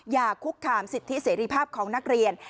อย่าคุกคามสิทธิเสรีภาพของนักเรียน